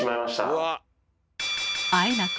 あえなく